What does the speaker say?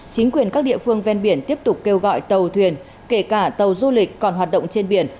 chính quyền các địa phương ven biển tiếp tục kêu gọi tàu thuyền kể cả tàu du lịch còn hoạt động trên biển